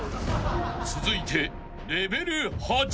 ［続いて］